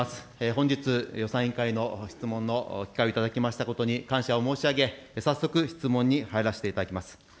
本日、予算委員会の質問の機会を頂きましたことに感謝を申し上げ、早速質問に入らせていただきます。